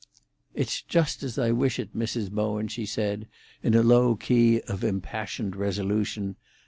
"It's just as I wish it, Mrs. Bowen," she said, in a low key of impassioned resolution.